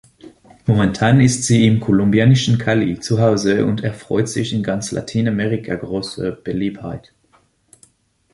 Momentan ist sie im kolumbianischen Cali zuhause und erfreut sich in ganz Lateinamerika großer Beliebtheit.